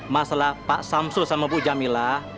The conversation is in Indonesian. masalah pak samp ciel sama bu jamilah